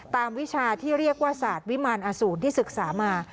วิชาที่เรียกว่าศาสตร์วิมารอสูรที่ศึกษามา